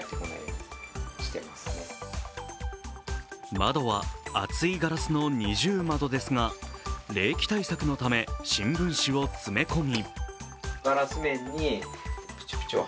窓は厚いガラスの二重窓ですが冷気対策のため新聞紙を詰め込み